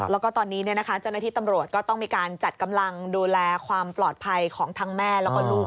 แล้วก็ตอนนี้เจ้าหน้าที่ตำรวจก็ต้องมีการจัดกำลังดูแลความปลอดภัยของทั้งแม่แล้วก็ลูก